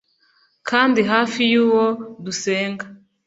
kandi hafi yuwo dusenga